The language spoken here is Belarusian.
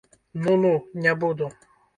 Ну, ну, не буду!